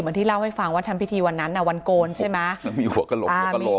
ที่เล่าให้ฟังว่าทำพิธีวันนั้นน่ะวันโกนใช่ไหมมันมีหัวกระโหลกหัวกระโหลก